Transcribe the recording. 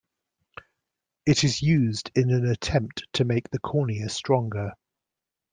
It is used in an attempt to make the cornea stronger.